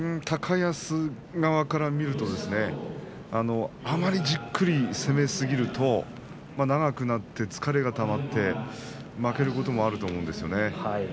高安側から見るとあまりじっくり攻めすぎると長くなって疲れがたまって負けることもあると思うんですよね。